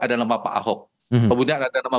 ada nama pak ahok kemudian ada nama